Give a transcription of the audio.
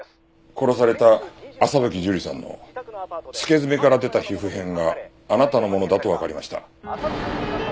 殺された朝吹樹里さんの付け爪から出た皮膚片があなたのものだとわかりました。